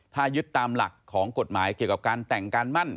ถ้ายึดตามหลักของกฎหมายเกี่ยวกับการแต่งการมั่น